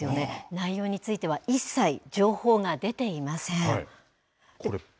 内容については一切、情報が出ていません。